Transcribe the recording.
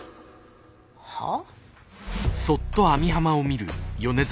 はあ？